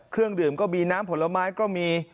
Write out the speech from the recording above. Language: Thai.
เครื่องดื่มก็มีน้ำผลไม้ก็มี